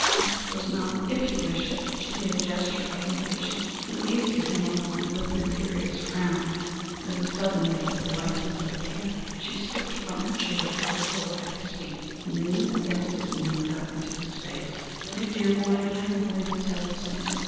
"I suppose not, if if you wish it." She made a gesture of impatience and gazed at him a moment with an imperious frown, then suddenly, with the litheness of a cat, she slipped from her chair to the floor at his feet, and leaning against his knee, looked up into his face. "You dear boy, I am going to tell you something.